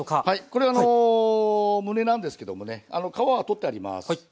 これあのむねなんですけどもね皮は取ってあります。